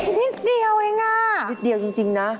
นิดเดียวเองอ่ะนิดเดียวจริงนะ